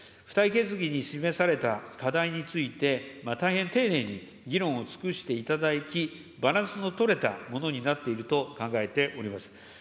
付帯決議に示された課題について、大変丁寧に議論を尽くしていただき、バランスの取れたものになっていると考えます。